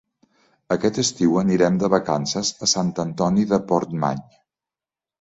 Aquest estiu anirem de vacances a Sant Antoni de Portmany.